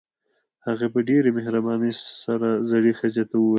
هغې په ډېره مهربانۍ سره زړې ښځې ته وويل.